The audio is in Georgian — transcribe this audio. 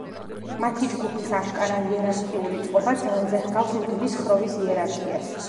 მათი ჯგუფის აშკარა იერარქიული წყობა ძალზე ჰგავს მგლის ხროვის იერარქიას.